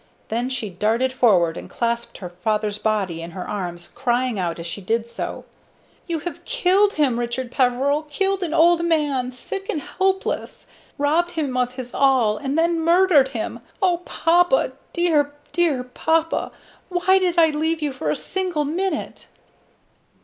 Then she darted forward and clasped her father's body in her arms, crying out as she did so: "You have killed him, Richard Peveril! killed an old man, sick and helpless; robbed him of his all, and then murdered him! Oh, papa! dear, dear papa! Why did I leave you for a single minute?"